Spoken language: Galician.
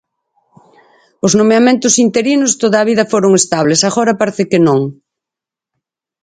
Os nomeamentos interinos toda a vida foron estables, agora parece que non.